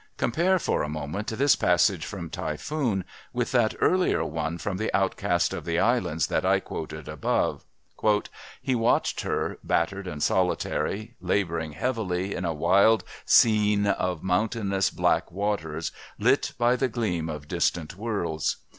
Compare, for a moment, this passage from Typhoon with that earlier one from The Outcast of the Islands that I quoted above: "He watched her, battered and solitary, labouring heavily in a wild scene of mountainous black waters lit by the gleam of distant worlds.